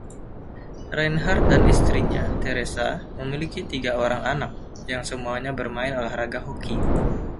Reinhart dan istrinya, Theresa, memiliki tiga orang anak, yang semuanya bermain olah raga hoki.